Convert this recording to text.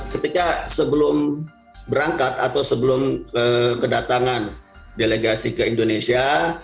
ketika sebelum berangkat atau sebelum kedatangan delegasi ke indonesia